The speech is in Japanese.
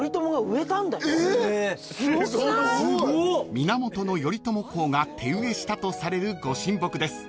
［源頼朝公が手植えしたとされるご神木です］